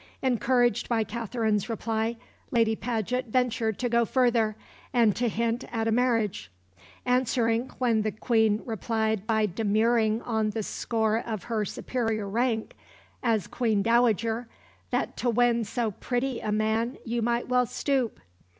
Encouraged by Katherine's reply, Lady Paget ventured to go further, and to hint at a marriage; answering, when the Queen replied by demurring on the score of her superior rank as Queen Dowager, that to win so pretty a man you might well stoop.